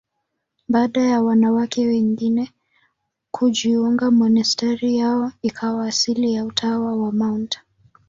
Baada ya wanawake wengine kujiunga, monasteri yao ikawa asili ya Utawa wa Mt.